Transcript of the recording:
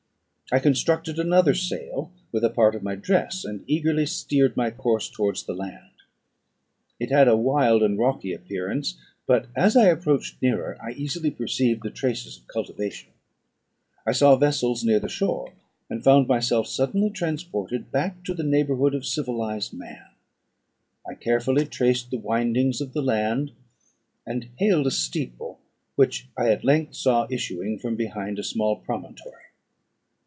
I constructed another sail with a part of my dress, and eagerly steered my course towards the land. It had a wild and rocky appearance; but, as I approached nearer, I easily perceived the traces of cultivation. I saw vessels near the shore, and found myself suddenly transported back to the neighbourhood of civilised man. I carefully traced the windings of the land, and hailed a steeple which I at length saw issuing from behind a small promontory.